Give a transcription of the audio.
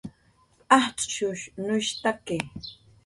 ajtz'shuynushtaki